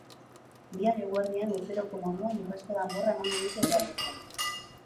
Bihar eguerdian urteroko moduan urrezko danborra emango dute udaletxean.